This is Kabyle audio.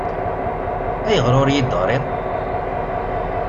Ayɣer ur iyi-d-teɣriḍ?